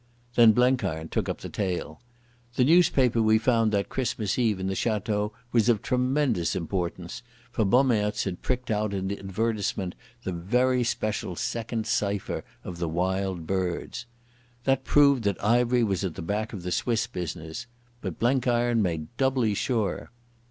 Then Blenkiron took up the tale. The newspaper we found that Christmas Eve in the Château was of tremendous importance, for Bommaerts had pricked out in the advertisement the very special second cipher of the Wild Birds. That proved that Ivery was at the back of the Swiss business. But Blenkiron made doubly sure.